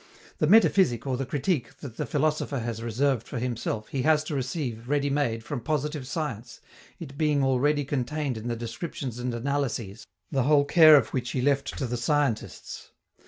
The metaphysic or the critique that the philosopher has reserved for himself he has to receive, ready made, from positive science, it being already contained in the descriptions and analyses, the whole care of which he left to the scientists.